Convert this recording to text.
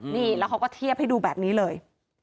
นี่แล้วเขาก็เทียบให้ดูแบบนี้เลย